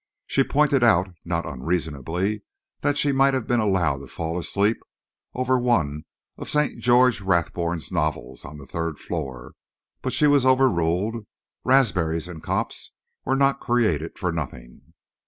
She pointed out, not unreasonably, that she might have been allowed to fall asleep over one of St. George Rathbone's novels on the third floor, but she was overruled. Raspberries and cops were not created for nothing.